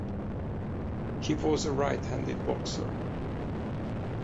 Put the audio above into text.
He was a right-handed boxer.